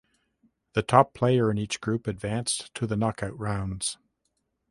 The top player in each group advanced to the knockout rounds.